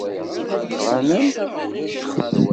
Ɣran-am-d.